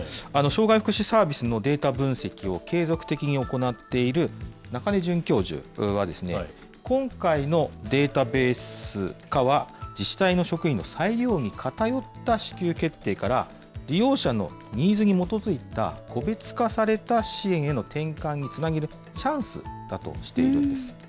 障害福祉サービスのデータ分析を継続的に行っている中根准教授は、今回のデータベース化は、自治体の職員の裁量に偏った支給決定から、利用者のニーズに基づいた、個別化された支援への転換につなげるチャンスだとしているんです。